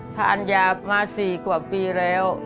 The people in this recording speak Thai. ทานยามา๔กว่าปีแล้ว